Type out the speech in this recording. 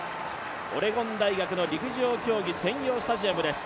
オレゴン大学の陸上競技専用のスタジアムです。